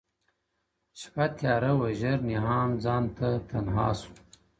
شپه تیاره وه ژر نیهام ځانته تنها سو.!